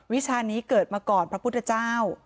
วิชานี้เกิดมาก่อนพระพุทธเจ้า